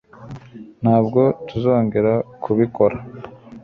Ntabwo tuzongera kubikora